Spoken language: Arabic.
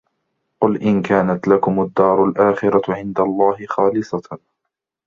قُلْ إِنْ كَانَتْ لَكُمُ الدَّارُ الْآخِرَةُ عِنْدَ اللَّهِ خَالِصَةً